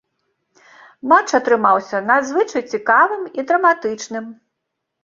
Матч атрымаўся надзвычай цікавым і драматычным.